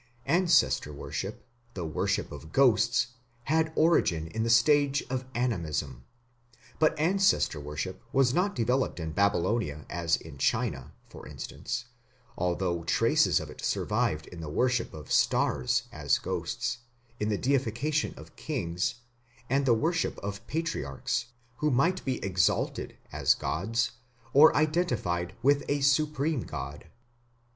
Ancestor worship, the worship of ghosts, had origin in the stage of Animism. But ancestor worship was not developed in Babylonia as in China, for instance, although traces of it survived in the worship of stars as ghosts, in the deification of kings, and the worship of patriarchs, who might be exalted as gods or identified with a supreme god.